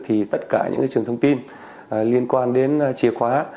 thì tất cả những trường thông tin liên quan đến chìa khóa